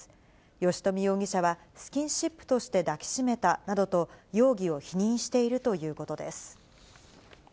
吉冨容疑者は、スキンシップとして抱き締めたなどと、容疑を否認しているということです。